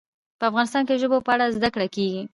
په افغانستان کې د ژبو په اړه زده کړه کېږي.